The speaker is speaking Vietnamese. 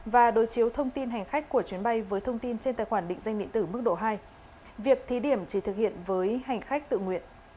và đối chiếu thông tin hành khách của chuyến bay với thông tin trên tài khoản định danh địa tử mức độ hai